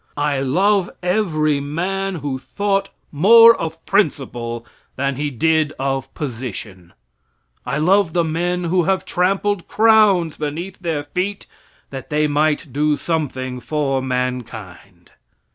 I love every man who thought more of principle than he did of position. I love the men who have trampled crowns beneath their feet that they might do something for mankind.